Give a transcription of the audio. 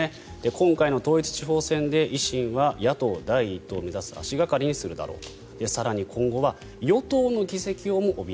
今回の統一地方選で維新は野党第１党を目指す足掛かりにするだろうと。